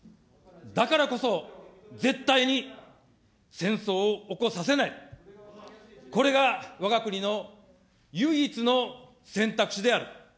だからこそ、絶対に戦争を起こさせない、これがわが国の唯一の選択肢である。